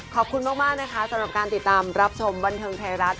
ขอบคุณมากนะคะสำหรับการติดตามรับชมบันเทิงไทยรัฐ